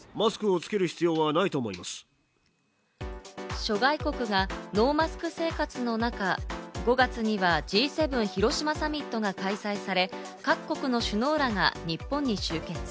諸外国がノーマスク生活の中、５月にはＧ７広島サミットが開催され、各国の首脳らが日本に集結。